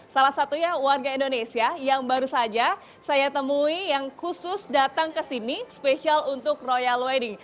salah satunya warga indonesia yang baru saja saya temui yang khusus datang ke sini spesial untuk royal wedding